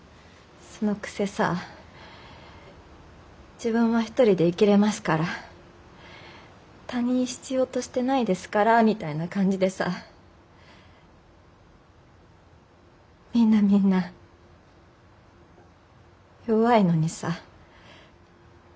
そのくせさ自分は一人で生きれますから他人必要としてないですからみたいな感じでさみんなみんな弱いのにさ。